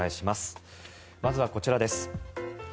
まずはこちらです。